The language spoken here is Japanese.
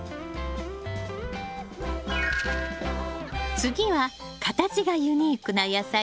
次は形がユニークな野菜コールラビ。